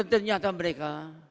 dan ternyata mereka